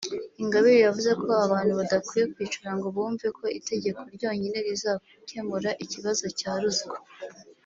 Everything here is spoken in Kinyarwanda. Ingabire yavuze ko abantu badakwiye kwicara ngo bumve ko itegeko ryonyine rizakemura ikibazo cya ruswa